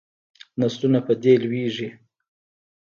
نسلونه په دې لویږي.